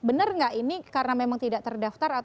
benar nggak ini karena memang tidak terdaftar